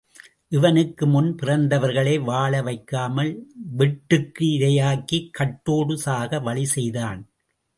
இவனுக்கு முன் பிறந்தவர்களை வாழ வைக்காமல் வெட்டுக்கு இரையாக்கிக் கட்டோடு சாக வழி செய்தான்.